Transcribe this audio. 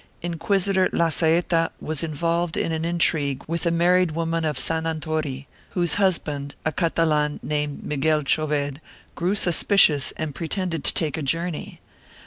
Inquisitor Lazaeta was involved in an intrigue with a married woman of San Anton, whose hus band, a Catalan named Miguel Choved, grew suspicious and pre tended to take a journey.